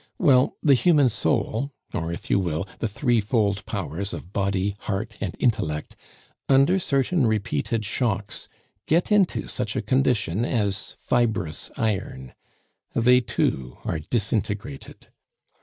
Well, the human soul, or, if you will, the threefold powers of body, heart, and intellect, under certain repeated shocks, get into such a condition as fibrous iron. They too are disintegrated.